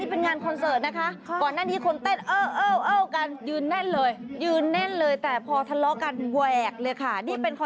โอ้โห้อีทุ่มใส่กัน